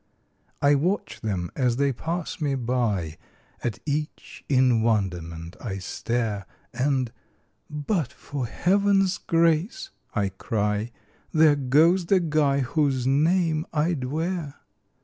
I watch them as they pass me by; At each in wonderment I stare, And, "but for heaven's grace," I cry, "There goes the guy whose name I'd wear!"